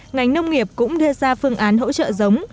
ngành nông nghiệp cũng đưa ra phương án hỗ trợ giống